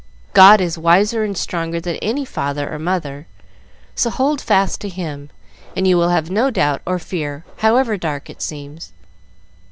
God is wiser and stronger than any father or mother, so hold fast to Him, and you will have no doubt or fear, however dark it seems."